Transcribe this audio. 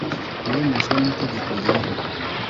yemejwe n Itegeko cyera